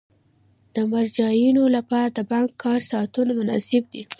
د مراجعینو لپاره د بانک کاري ساعتونه مناسب دي.